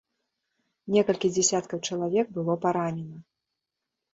Некалькі дзесяткаў чалавек было паранена.